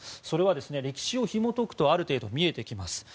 それは歴史をひも解くとある程度見えてきます。